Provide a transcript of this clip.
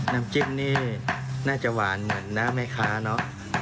น้ำจิ้มนี่น่าจะหวานเหมือนหน้าแม่ค้าเนอะ